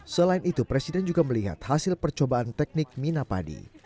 selain itu presiden juga melihat hasil percobaan teknik mina padi